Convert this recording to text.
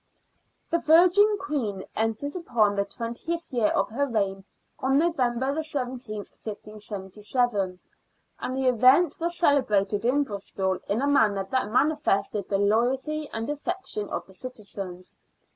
The " Virgin Queen " entered upon the twentieth year of her reign on November 17th, 1577, and the event was celebrated in Bristol in a manner that manifested the loyalty and affection of the citizens.